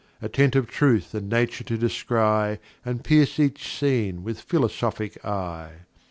Attentive Truth and Nature to descry, And pierce each Scene with Philosophic Eye.